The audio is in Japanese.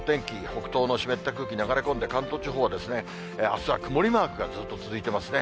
北東の湿った空気、流れ込んで、関東地方はあすは曇りマークがずっと続いてますね。